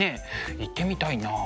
行ってみたいなあ。